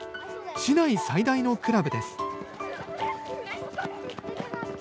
市内最大のクラブです。